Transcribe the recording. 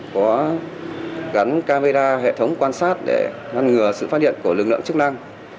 có gắn camera hệ thống quan sát để ngăn ngừa sự phát hiện của lực lượng chức năng